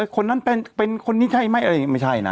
คนนั้นเป็นคนนี้ใช่ไหมไม่ใช่นะ